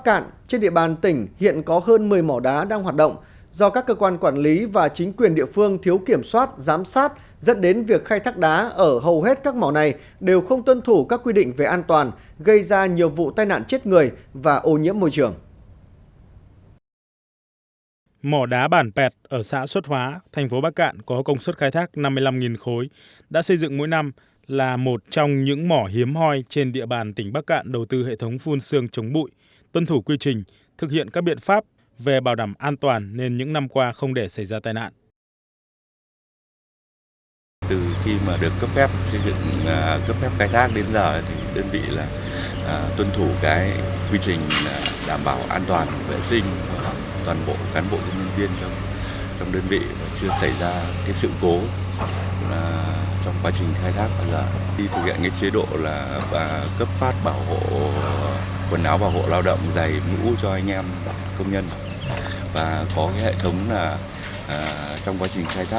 khi thực hiện cái chế độ là cấp phát quần áo bảo hộ lao động giày mũ cho anh em công nhân và có cái hệ thống trong quá trình khai thác thì có hệ thống tương xương tưới bụi để đảm bảo cái vệ sinh môi trường trong cái khu vực khai thác